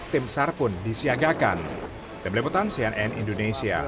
tim sar pun disiagakan